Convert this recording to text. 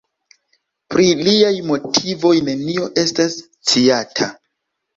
Pri liaj motivoj nenio estas sciata.